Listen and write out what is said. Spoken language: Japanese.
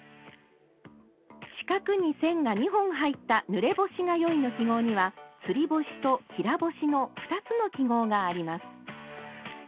四角に線が２本入った「ぬれ干しがよい」の記号には「つり干し」と「平干し」の２つの記号があります。